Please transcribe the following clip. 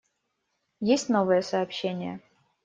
Есть новые сообщения?